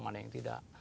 mana yang tidak